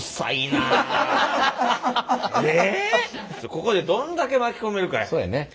ここでどんだけ巻き込めるかやね。